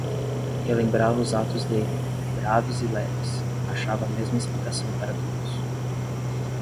Relembrava os atos dele, graves e leves, achava a mesma explicação para todos.